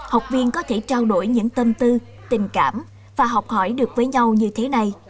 học viên có thể trao đổi những tâm tư tình cảm và học hỏi được với nhau như thế này